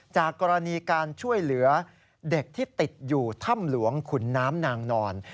จากกรณีการช่วยเหลือเด็กที่ติดอยู่ถ้ำหลวงขุนน้ำนางนอน